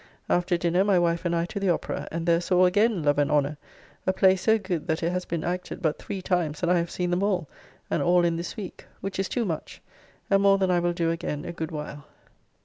After dinner my wife and I to the Opera, and there saw again "Love and Honour," a play so good that it has been acted but three times and I have seen them all, and all in this week; which is too much, and more than I will do again a good while.